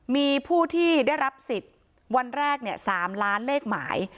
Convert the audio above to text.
มีผู้ที่ได้รับสิทธิ์วันแรก๓ล้านเลขหมาย